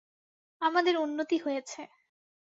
আমাদের উন্নতি হয়েছে।